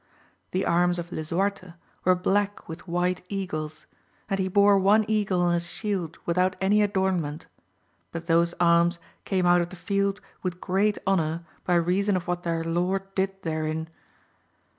The arms of Lisuarte were black with white eagles ; and he bore one eagle on his shield without any adornment ; but those arms came out of the field with great honour by reason of what their lord did therein.